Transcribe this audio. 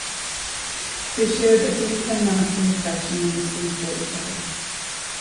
They shared a deep and lasting affection and esteem for each other.